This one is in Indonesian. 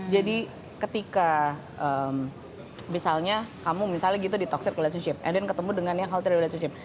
jadi ketika misalnya kamu gitu di toxic relationship and then ketemu dengan yang healthy relationship